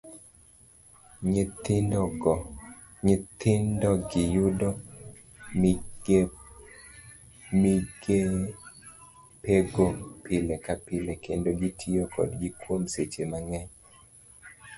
Nyithindogi yudo migepego pile ka pile, kendo gitiyo kodgi kuom seche mang'eny.